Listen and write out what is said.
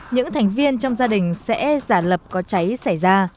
những thành viên trong gia đình sẽ giả lập có cháy xảy ra